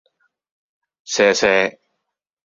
射射